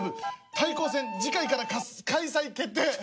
対抗戦次回からかっ開催決定。